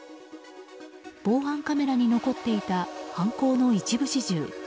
防犯カメラに残っていた犯行の一部始終。